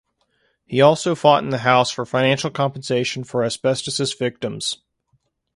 He also fought in the House for financial compensation for asbestosis victims.